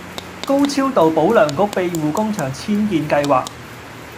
高超道保良局庇護工場遷建計劃